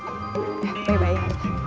ya baik baik aja